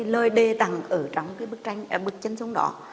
nơi đề tặng ở trong bức chân dung đó